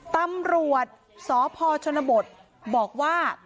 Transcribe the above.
ตำรวจสพชนบทบอกว่า